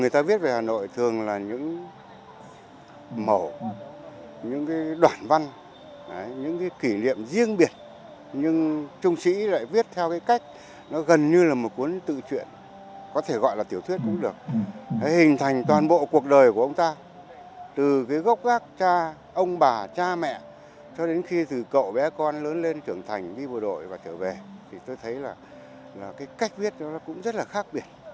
trở lên trưởng thành đi bộ đội và trở về tôi thấy là cách viết nó cũng rất là khác biệt